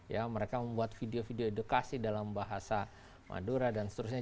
ya mereka membuat video video edukasi dalam bahasa madura dan seterusnya